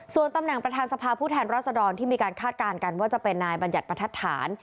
ส่วนตำแหน่งประธานสภาผู้แทนรัศดรที่มีการคาดการณ์กันว่าจะเป็นนายบัญญัติประทัดฐาน